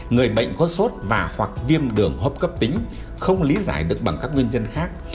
người bệnh có sốt và hoặc viêm đường hốp cấp tính không lý giải được bằng các nguyên nhân khác